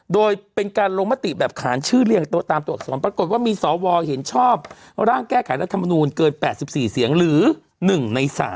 โดยเป็นการลงมติแบบขานชื่อเรียงตัวตามตัวอักษรปรากฏว่ามีสวเห็นชอบร่างแก้ไขรัฐมนูลเกิน๘๔เสียงหรือ๑ใน๓